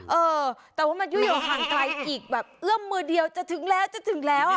เออแต่ว่ามันยุ่ยอยู่ห่างไกลอีกแบบเอื้อมมือเดียวจะถึงแล้วจะถึงแล้วอ่ะ